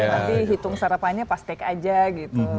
tapi hitung sarapannya pas take aja gitu